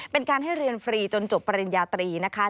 เป็นการให้เรียนฟรีจนจบปริญญาตรีนะคะ